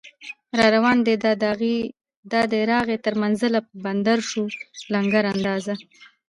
راروان دی دا دی راغی تر منزله، په بندر کې شو لنګر اندازه